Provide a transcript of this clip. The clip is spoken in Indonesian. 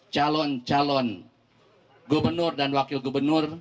calon calon gubernur dan wakil gubernur